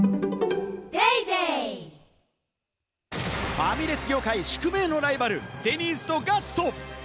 ファミレス業界宿命のライバル、デニーズとガスト。